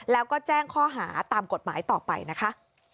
แล้วก็แจ้งข้อหาตามกฎหมายต่อไปนะคะ